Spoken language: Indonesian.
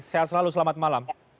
sehat selalu selamat malam